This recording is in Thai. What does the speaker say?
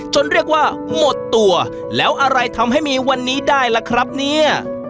เรียกว่าหมดตัวแล้วอะไรทำให้มีวันนี้ได้ล่ะครับเนี่ย